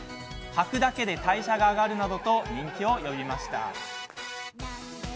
履くだけで代謝が上がるなどと人気を呼びました。